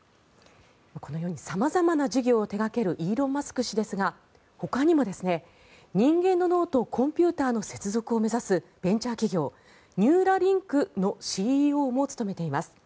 このように様々な事業を手掛けるイーロン・マスク氏ですがほかにも人間の脳とコンピューターの接続を目指すベンチャー企業ニューラリンクのＣＥＯも務めています。